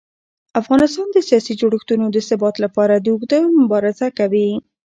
افغانستان د سیاسي جوړښتونو د ثبات لپاره اوږده مبارزه کوي